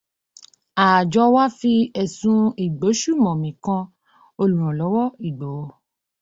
Àjọ wa fi ẹ̀sùn ìgbésùnmọ̀mí kan olùrànlọ́wọ́ Ìgbòho.